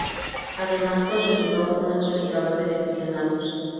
Además, consolidó una sólida base de aficionados.